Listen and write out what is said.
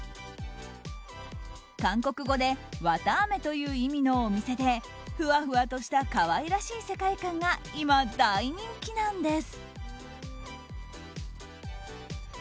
韓国語でわたあめという意味のお店でふわふわとした可愛らしい世界観が今、大人気なんです。